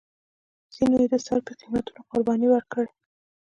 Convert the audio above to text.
ځینو یې د سر په قیمتونو قربانۍ ورکړې.